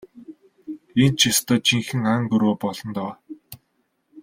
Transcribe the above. Энэ ч ёстой жинхэнэ ан гөрөө болно доо.